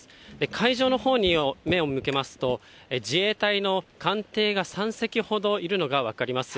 海上のほうに目を向けますと、自衛隊の艦艇が３隻ほどいるのが分かります。